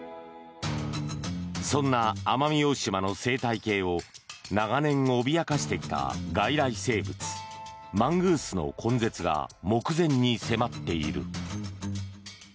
そんな奄美大島の生態系を長年脅かしてきた外来生物マングースの根絶が目前に迫っている。